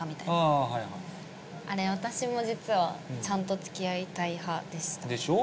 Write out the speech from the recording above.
あぁはいはいあれ私も実はちゃんとつきあいたい派でしたでしょ？